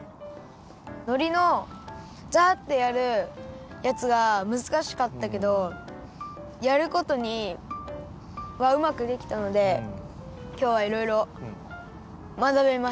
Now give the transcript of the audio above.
のりのザッてやるやつがむずかしかったけどやるごとにはうまくできたのできょうはいろいろまなべました。